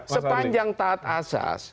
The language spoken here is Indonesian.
sepanjang taat asas